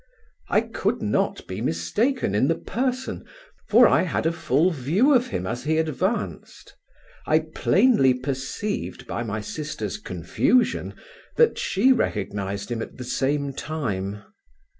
I could not be mistaken in the person, for I had a full view of him as he advanced; I plainly perceived by my sister's confusion that she recognized him at the same time.